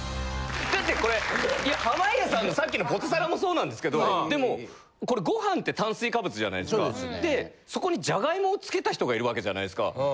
だってこれいや濱家さんのさっきのポテサラもそうなんですけどでもこれご飯って炭水化物じゃないですかでそこにジャガイモを付けた人がいるわけじゃないですか。